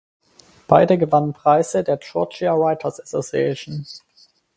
Beide gewannen Preise der "Georgia Writers Association".